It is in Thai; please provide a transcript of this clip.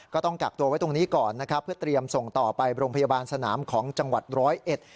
ก็ต้องกักตัวไว้ตรงนี้ก่อนนะครับเพื่อเตรียมส่งต่อไปโรงพยาบาลสนามของจังหวัดร้อยเอ็ด